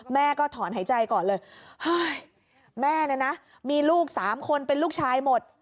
แม่ก็ถอนหายใจก่อนเลยเฮ้ยแม่เนี่ยนะมีลูก๓คนเป็นลูกชายหมด